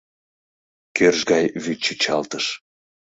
Кӧрж гай вӱд чӱчалтыш